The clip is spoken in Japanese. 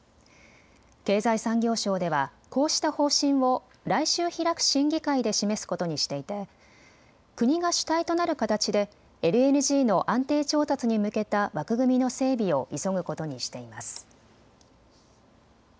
経済産業省ではこうした方針を来週開く審議会で示すことにしていて国が主体となる形でＬＮＧの安定調達に向けた枠組みの整備を急ぐことにしています。